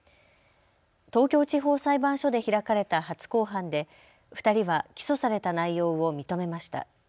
東京地方裁判所で開かれた初公判で、２人は起訴された内容を認めました。